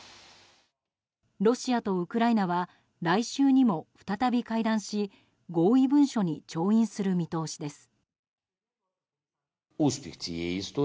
ロシアとウクライナは来週にも再び会談し合意文書に調印する見通しです。